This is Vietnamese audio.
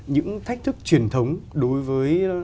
những thách thức truyền thống đối với